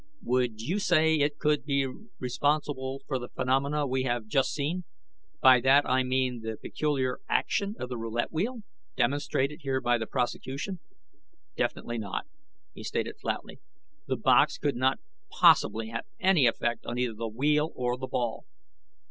"Would you say that it could be responsible for the phenomena we have just seen? By that, I mean the peculiar action of the roulette wheel, demonstrated here by the prosecution." "Definitely not," he stated flatly. "The box could not possibly have any effect on either the wheel or the ball."